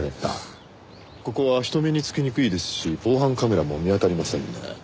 ここは人目につきにくいですし防犯カメラも見当たりませんね。